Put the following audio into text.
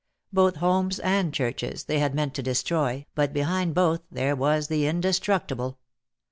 Both, homes and churches, they had meant to destroy, but behind both there was the indestructible.